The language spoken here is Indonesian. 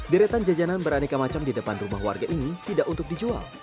deretan jajanan beraneka macam di depan rumah warga ini tidak untuk dijual